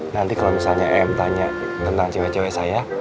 nanti kalau misalnya m tanya tentang cewek cewek saya